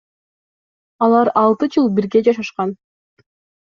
Алар алты жыл бирге жашашкан.